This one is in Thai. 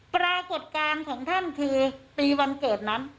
ปรากฏการณ์ของท่านคือปีวันเกิดนั้น